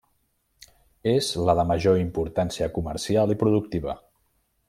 És la de major importància comercial i productiva.